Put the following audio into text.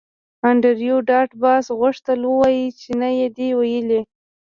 انډریو ډاټ باس غوښتل ووایی چې نه یې دی ویلي